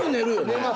寝ます。